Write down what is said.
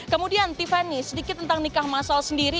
kemudian tiffany sedikit tentang nikah masal sendiri